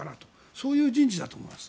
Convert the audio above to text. そういう人事だと思います。